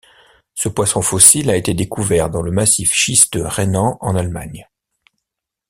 Ce poisson fossile a été découvert dans le massif schisteux rhénan en Allemagne.